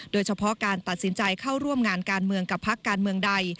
โดยเฉพาะการตัดสินใจเข้าร่วมงานการเมืองกับพักการเมืองใด